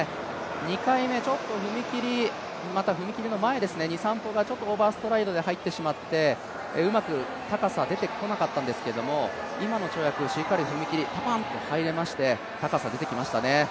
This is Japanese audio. ２回目、ちょっと踏み切りの前、２３歩がちょっとオーバーストライドで入ってしまって、うまく高さ出てこなかったんですけど、今の跳躍しっかり踏み切り、パパンと入れまして高さ出てきましたね。